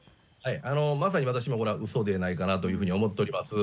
まさに私も、うそではないかなというふうに思っております。